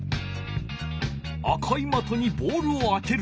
赤いまとにボールを当てる。